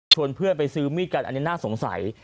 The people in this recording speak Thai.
เพื่อนไปซื้อมีดกันอันนี้น่าสงสัย